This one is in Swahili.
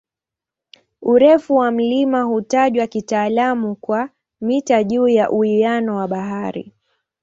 Urefu wa mlima hutajwa kitaalamu kwa "mita juu ya uwiano wa bahari".